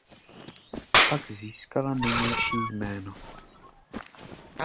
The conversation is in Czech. Pak získala nynější jméno.